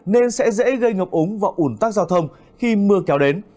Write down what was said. nên sẽ dễ gây ngập úng và ủn tắc giao thông khi mưa kéo đến